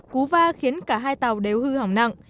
cú va khiến cả hai tàu đều hư hỏng nặng